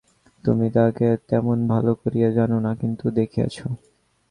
তুমি তাহাকে তেমন ভালো করিয়া জান না, কিন্তু দেখিয়াছ।